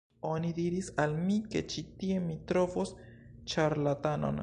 Oni diris al mi ke ĉi tie mi trovos ĉarlatanon